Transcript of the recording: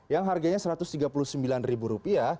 yang harganya rp satu ratus tiga puluh sembilan